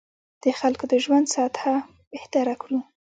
د خلکو د ژوند سطح بهتره کړو.